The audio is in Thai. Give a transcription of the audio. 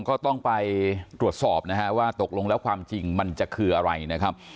ก็ต้องไปตรวจสอบนะฮะว่าตกลงแล้วความจริงมันจะคืออะไรนะครับ